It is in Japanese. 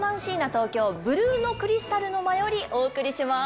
東京ブルーノクリスタルの間よりお送りします。